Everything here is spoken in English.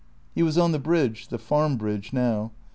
He was on the bridge the Farm bridge now.